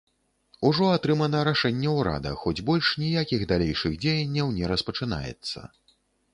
Ужо атрымана рашэнне ўрада, хоць больш ніякіх далейшых дзеянняў не распачынаецца.